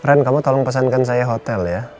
keren kamu tolong pesankan saya hotel ya